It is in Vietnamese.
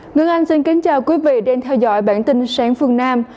ngân hàng xin kính chào quý vị đang theo dõi bản tin sáng phương nam